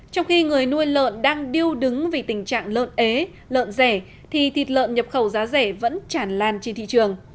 trong khi người nuôi lợn đang điêu đứng vì tình trạng lợn ế lợn rẻ thì thịt lợn nhập khẩu giá rẻ vẫn chản lan trên thị trường